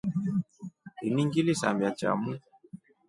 Ini ngilisambia chamu.